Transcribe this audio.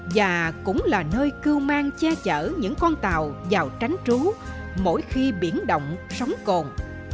và cũng là nơi cưu mang che chở những con tàu vào tránh trú mỗi khi biển động sống cồn